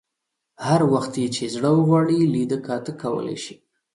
هر وخت یې چې زړه وغواړي لیده کاته کولای شي.